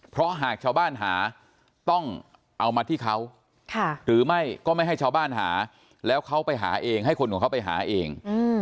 เพราะหากชาวบ้านหาต้องเอามาที่เขาหรือไม่ก็ไม่ให้ชาวบ้านหาแล้วเขาไปหาเองให้คนของเขาไปหาเอง